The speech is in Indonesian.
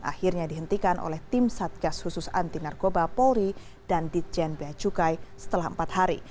akhirnya dihentikan oleh tim satgas khusus anti narkoba polri dan ditjen beacukai setelah empat hari